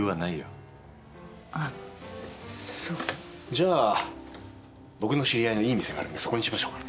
じゃあ僕の知り合いのいい店があるんでそこにしましょうか。